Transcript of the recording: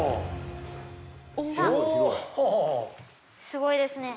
すごいですね。